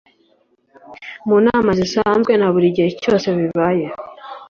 mu nama zisanzwe na buri gihe cyose bibaye